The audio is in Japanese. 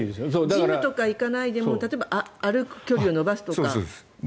ジムとか行かないでも歩く距離を伸ばすとか。